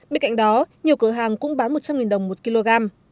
bên cạnh đó nhiều cửa hàng cũng bán một trăm linh đồng một kg